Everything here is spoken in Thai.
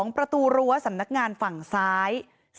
ประตูรั้วสำนักงานฝั่งซ้าย